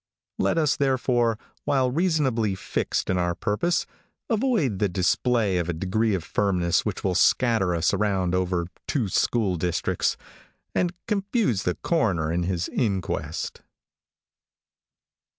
Let us, therefore, while reasonably fixed in our purpose, avoid the display of a degree of firmness which will scatter us around over two school districts, and confuse the coroner in his inquest.